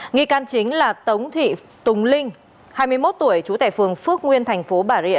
nghị can chính là tống thị tùng linh hai mươi một tuổi chú tẻ phường phước nguyên thành phố bà rịa